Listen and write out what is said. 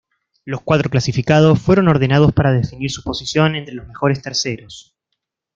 Los cuatro clasificados, fueron ordenados para definir su posición entre los mejores terceros.